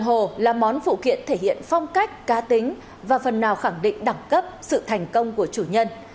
bán phụ kiện thể hiện phong cách cá tính và phần nào khẳng định đẳng cấp sự thành công của chủ nhân